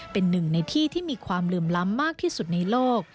เป็นหนึ่งในที่ที่มีความเหลื่อมล้ำมากที่สุดในโลก